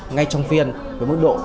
ngay trong phiên với mức độ đòn bẩy